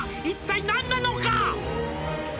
「一体何なのか」